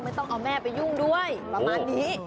ต้องเอาแม่ไปยุ่งด้วยประมาณนี้